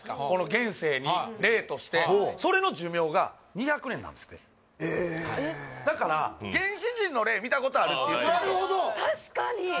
この現世に霊としてそれの寿命が２００年なんですってへぇだから原始人の霊見たことあるって言ってる人確かに！